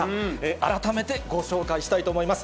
改めてご紹介したいと思います。